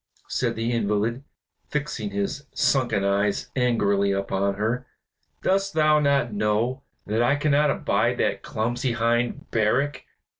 said the invalid, fixing his sunken eyes angrily upon her. "Dost thou not know that I cannot abide that clumsy hind, Barak.